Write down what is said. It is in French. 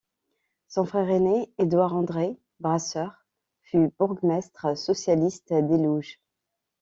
Son frère ainé Édouard André, brasseur, fut bourgmestre socialiste d'Élouges.